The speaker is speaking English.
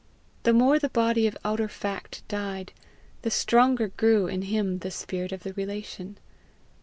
The more the body of outer fact died, the stronger grew in him the spirit of the relation.